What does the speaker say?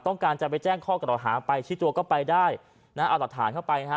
ต้องการจะไปแจ้งข้อกระดาษหาไปชี้ตัวก็ไปได้นะเอาหลักฐานเข้าไปฮะ